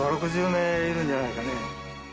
５０６０名いるんじゃないかね。